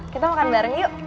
kita makan bareng yuk